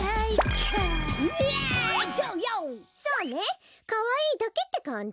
かわいいだけってかんじ？